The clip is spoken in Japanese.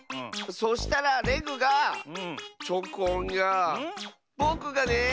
そしたらレグがチョコンがぼくがね